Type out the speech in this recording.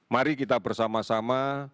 mari kita bersama sama